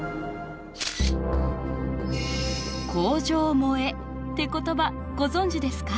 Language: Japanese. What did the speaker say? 「工場萌え」って言葉ご存じですか？